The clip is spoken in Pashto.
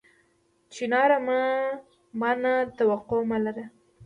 چناره! ما نه توقع مه لره